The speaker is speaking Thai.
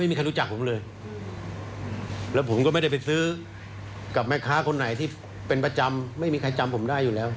ไม่มีใครรู้จักผมเลยแล้วผมก็ไม่ได้ไปซื้อกับแม่ค้าคนไหนที่เป็นประจำไม่มีใครจำผมได้อยู่แล้ว